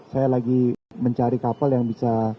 saya lagi mencari kapal yang bisa